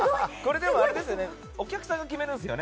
お客さんが決めるんですよね。